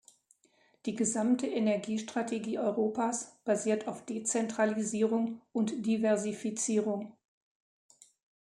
Die gesamte Energiestrategie Europas basiert auf Dezentralisierung und Diversifizierung.